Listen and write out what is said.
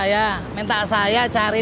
kan sekarang ditawarin